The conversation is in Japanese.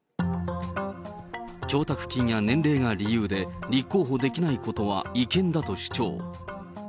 供託金や年齢が理由で、立候補できないことは違憲だと主張。